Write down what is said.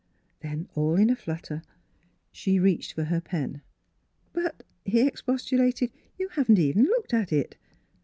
Then all in a flutter she reached for her pen. " But," he expostulated, " you haven't even looked at it.